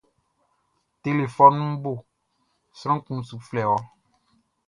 Telefɔnunʼn bo, sran kun su flɛ ɔ dunmanʼn.